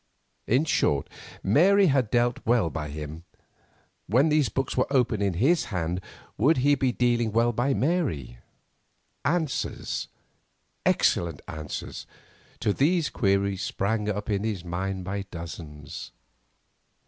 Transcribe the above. In short, Mary had dealt well by him; when those books were open in his hand, would he be dealing well by Mary? Answers—excellent answers—to these queries sprang up in his mind by dozens.